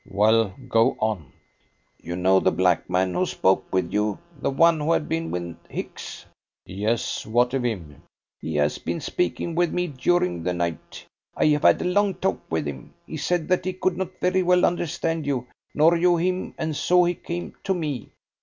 "Well, go on!" "You know the black man who spoke with you the one who had been with Hicks?" "Yes, what of him?" "He has been speaking with me during the night. I have had a long talk with him. He said that he could not very well understand you, nor you him, and so he came to me."